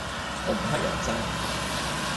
我唔乞人憎